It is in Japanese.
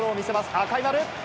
赤い丸。